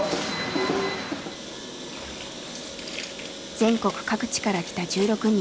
全国各地から来た１６人。